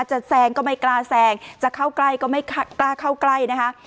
แซงก็ไม่กล้าแซงจะเข้าใกล้ก็ไม่กล้าเข้าใกล้นะคะ